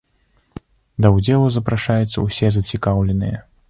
Да ўдзелу запрашаюцца ўсе зацікаўленыя.